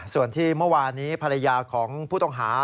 ส่วนที่เมื่อวานนี้ภรรยาของผู้ต้องหา